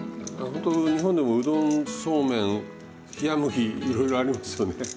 ほんと日本でもうどんそうめん冷や麦いろいろありますよね。